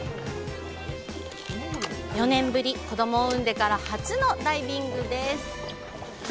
４年ぶり、子どもを産んでから初のダイビングです。